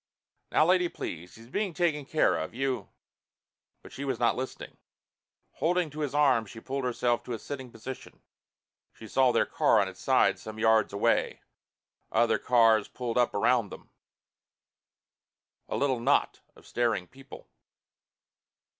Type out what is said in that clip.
"Now lady, please. He's being taken care of. You " But she was not listening. Holding to his arm she pulled herself to a sitting position. She saw their car on its side some yards away, other cars pulled up around them, a little knot of staring people.